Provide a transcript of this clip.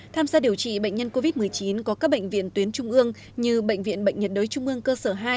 tham gia điều trị bệnh nhân covid một mươi chín có các bệnh viện tuyến trung ương như bệnh viện bệnh nhiệt đới trung ương cơ sở hai